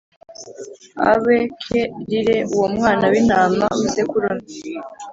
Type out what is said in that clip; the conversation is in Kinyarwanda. Ab k rire uwo mwana w intama w isekurume